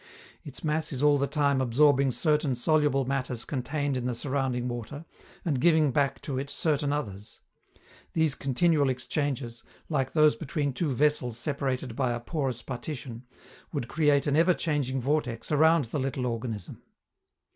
Its mass is all the time absorbing certain soluble matters contained in the surrounding water, and giving back to it certain others; these continual exchanges, like those between two vessels separated by a porous partition, would create an everchanging vortex around the little organism.